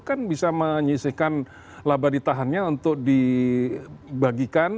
kan bisa menyisihkan laba ditahannya untuk dibagikan